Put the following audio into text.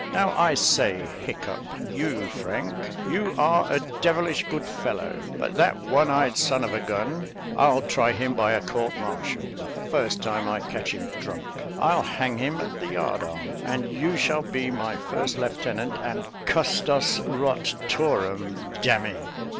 "Now I say, you Frank, you are a devilish good fellow; but that one eyed son of a gun, I'll try him by a court martial, the first time I catch him drunk; I'll hang him at the yard arm, and you shall be my first lieutenant and custos rot torum, d n me.